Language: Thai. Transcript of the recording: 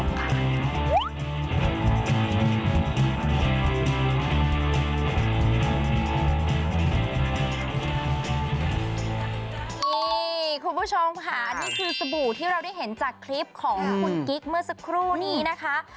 นี่คุณผู้ชมค่ะนี่คือสบู่ที่เราได้เห็นจากคลิปของคุณกิ๊กเมื่อสักครู่นี้นะคะ